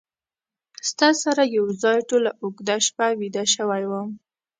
ستا سره یو ځای ټوله اوږده شپه ویده شوی وم